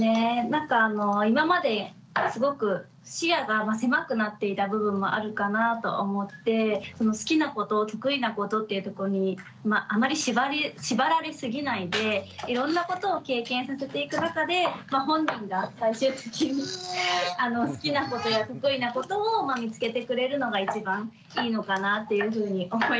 なんか今まですごく視野が狭くなっていた部分もあるかなと思って好きなこと得意なことっていうとこにあまり縛られすぎないでいろんなことを経験させていく中で本人が最終的に好きなことや得意なことを見つけてくれるのが一番いいのかなっていうふうに思いました。